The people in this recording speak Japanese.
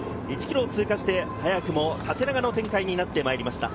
１ｋｍを通過して、早くも縦長の展開になってまいりました。